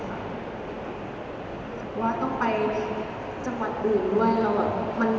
บ๊วยต้องไปจังหวัดบรุงด้วย